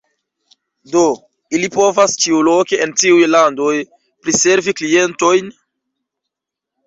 Do, ili povas ĉiuloke en tiuj landoj priservi klientojn.